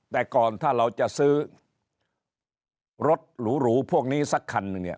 แต่ก่อนถ้าเราจะซื้อรถหรูพวกนี้สักคันหนึ่งเนี่ย